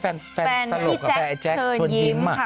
แฟนแฟนแฟนสลุกแฟนแจ๊คเชิญยิ้มค่ะ